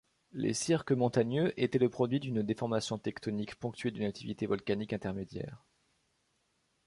Les cirques montagneux étaient le produit d'une déformation tectonique ponctuée d'une activité volcanique intermédiaire.